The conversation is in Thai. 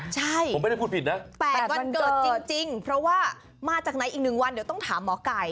ใช่จริงเพราะว่ามาจากไหนอีก๑วันเดี๋ยวต้องถามหมอไก่